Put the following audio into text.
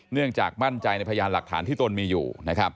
เนื่องจากมั่นใจในพยานหลักฐานที่ตนมีอยู่